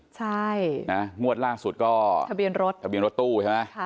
ใช่นะงวดล่าสุดก็ทะเบียนรถทะเบียนรถตู้ใช่ไหม